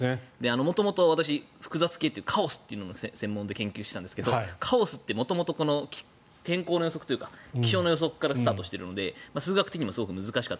元々、私複雑系というかカオスというものの専門で研究していたんですがカオスってこういう気象の予測からスタートしているので数学的にも難しい。